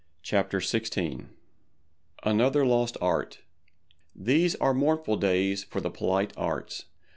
ANOTHER LOST ART These are mournful days for the Polite Arts.